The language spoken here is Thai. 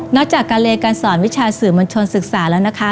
จากการเรียนการสอนวิชาสื่อมวลชนศึกษาแล้วนะคะ